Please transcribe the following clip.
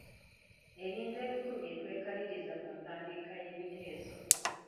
Ebintu ebikulu bye twekaliriza ku mpandiika y'ebiteeso.